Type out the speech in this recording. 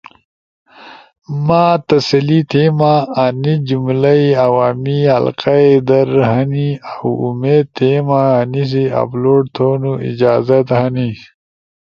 ما تسلی تھیما انی جملہ ئی عوامی حلقہ ئی در ہنی اؤامید تھیما انیسی اپلوڈ تھونو اجازت ہنی۔